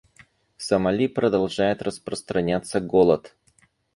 В Сомали продолжает распространяться голод.